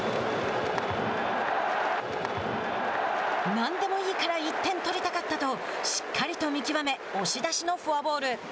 何でもいいから１点取りたかったと、しっかりと見極め押し出しのフォアボール。